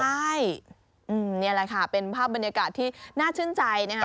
ใช่นี่แหละค่ะเป็นภาพบรรยากาศที่น่าชื่นใจนะคะ